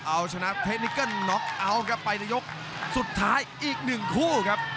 เอาชนะเทคนิเกิ้ลน็อคเอาต์ไปในยกสุดท้ายอีก๑คู่ครับ